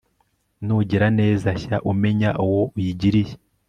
nugira neza, jya umenya uwo uyigiriye